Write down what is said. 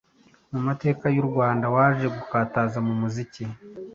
mu majyepfo y'u Rwanda, waje gukataza mu muziki